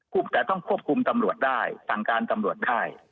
แต่ต้องควบคุมตำรวจได้สั่งการตำรวจได้